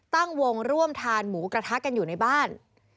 ตั้งวงร่วมทานหมูกระทะกันอยู่ในบ้าน